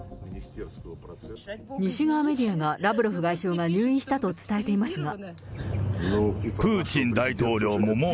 西側メディアが、ラブロフ外相が入院したと伝えていますが。